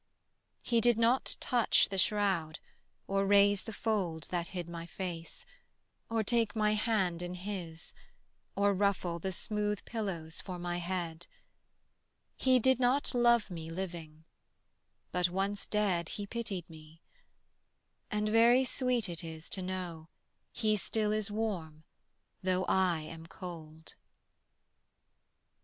He did not touch the shroud, or raise the fold That hid my face, or take my hand in his, Or ruffle the smooth pillows for my head: He did not love me living; but once dead He pitied me; and very sweet it is To know he still is warm though I am cold.